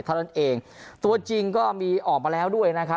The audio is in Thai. เท่านั้นเองตัวจริงก็มีออกมาแล้วด้วยนะครับ